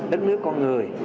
đến nước con người